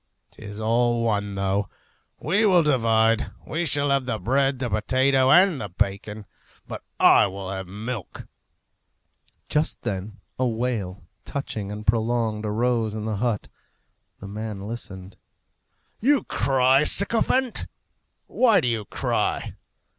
'Tis all one, though! We will divide. He shall have the bread, the potato, and the bacon; but I will have the milk." Just then a wail, touching and prolonged, arose in the hut. The man listened. "You cry, sycophant! Why do you cry?"